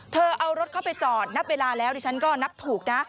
เธอเอารถเข้าไปจอดนับเวลาแล้วดิฉันก็นับถูกนะ